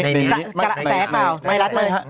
ก็เนี่ยในนี้ไม่รับเลย